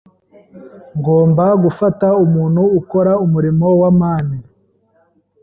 Ngomba gufata umuntu ukora umurimo wa amani.